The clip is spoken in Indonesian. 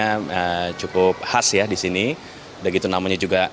ornamen arnamennya yang harus diperlukan untuk menambah kubah ini